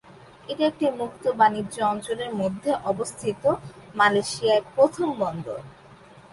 এটি একটি মুক্ত বাণিজ্য অঞ্চলের মধ্যে অবস্থিত মালয়েশিয়ায় প্রথম বন্দর।